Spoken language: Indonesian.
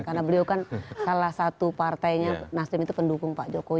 karena beliau kan salah satu partainya nasdem itu pendukung pak jokowi